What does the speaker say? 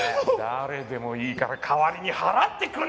誰でもいいから代わりに払ってくんねえかなあ！？